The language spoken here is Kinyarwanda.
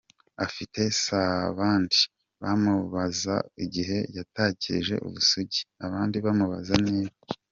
afite, sabandi bamubaza igihe yatakarije ubusugi, abandi bamubaza niba